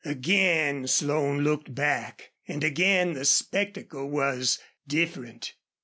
Again Slone looked back and again the spectacle was different.